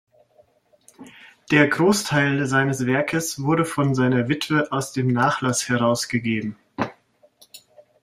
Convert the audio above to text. Der Großteil seines Werkes wurde von seiner Witwe aus dem Nachlass herausgegeben.